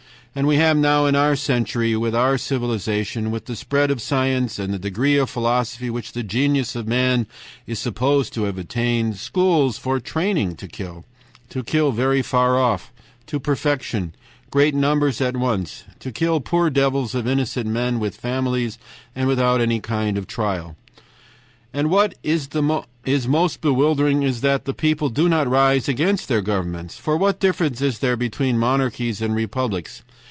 And we have now, in our century, with our civilization, with the spread of science, and the degree of philosophy which the genius of man is supposed to have attained, schools for training to kill, to kill very far off, to perfection, great numbers at once, to kill poor devils of innocent men with families and without any kind of trial. "AND WHAT IS MOST BEWILDERING IS THAT THE PEOPLE DO NOT RISE AGAINST THEIR GOVERNMENTS. FOR WHAT DIFFERENCE IS THERE BETWEEN MONARCHIES AND REPUBLICS?